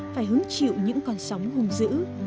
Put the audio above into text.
phải hứng chịu những con sóng hung dữ